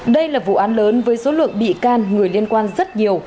đây là vụ án lớn với số lượng bị can người liên quan rất nhiều